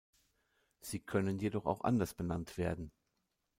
Sie können jedoch auch anders benannt werden.